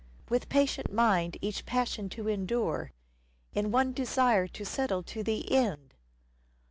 With patient mind each passion to endure, In one desire to settle to the end